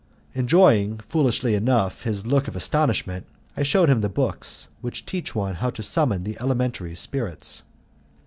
Enjoying foolishly enough, his look of astonishment, I shewed him the books which teach one how to summon the elementary spirits.